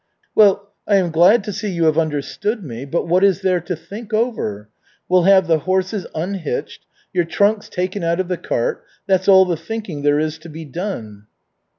"Well, I am glad to see you have understood me, but what is there to think over? We'll have the horses unhitched, your trunks taken out of the cart that's all the thinking there is to be done."